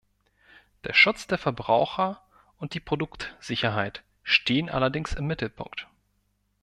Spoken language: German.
Der Schutz der Verbraucher und die Produktsicherheit stehen allerdings im Mittelpunkt.